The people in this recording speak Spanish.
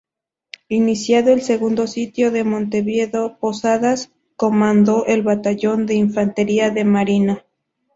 Iniciado el segundo sitio de Montevideo, Posadas comandó el batallón de Infantería de Marina.